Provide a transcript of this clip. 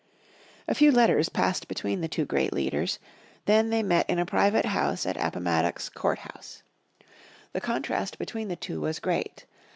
A few letters passed between the two great leaders, then they met in a private house at Appomattox Court House. The contrast between the two was great.